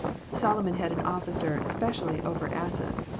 Solomon had an officer specially over the asses.